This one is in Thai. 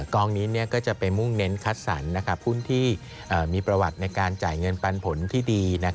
กองนี้ก็จะไปมุ่งเน้นคัดสรรหุ้นที่มีประวัติในการจ่ายเงินปันผลที่ดี